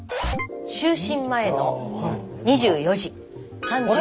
就寝前の２４時。